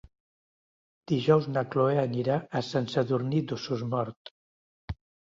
Dijous na Chloé anirà a Sant Sadurní d'Osormort.